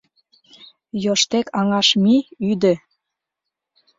Йоштек аҥаш мий, ӱдӧ!»